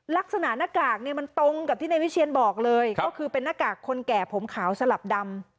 ลักษณะหน้ากากเนี่ยมันตรงกับที่ในวิเชียนบอกเลยก็คือเป็นหน้ากากคนแก่ผมขาวสลับดำ